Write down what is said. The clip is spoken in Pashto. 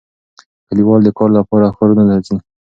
کډوال د کار لپاره ښارونو ته ځي.